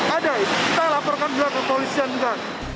ada kita laporkan juga kepolisian juga